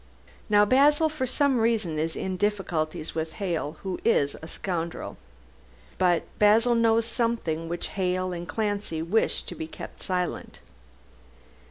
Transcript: "Now Basil, for some reason, is in difficulties with Hale, who is a scoundrel. But Basil knows something which Hale and Clancy wish to be kept silent.